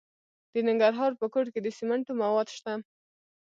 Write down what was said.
د ننګرهار په کوټ کې د سمنټو مواد شته.